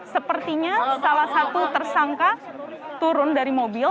sepertinya salah satu tersangka turun dari mobil